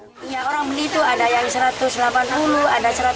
orang beli itu ada yang satu ratus delapan puluh ada satu ratus delapan puluh